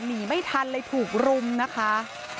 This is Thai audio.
หนีไม่ทันเลยถูกรุมนะคะ